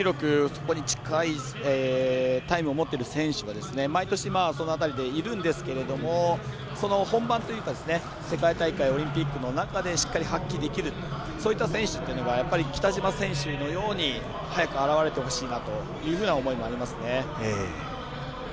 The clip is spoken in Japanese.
そこに近いタイムを持っている選手が毎年、その辺りでいるんですがその本番というか世界大会、オリンピックの中でしっかり発揮できるそういった選手というのがやっぱり、北島選手のように早く現れてほしいなという思いもありますね。